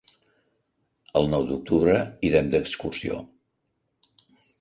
El nou d'octubre irem d'excursió.